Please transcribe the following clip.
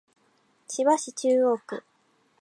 千葉市中央区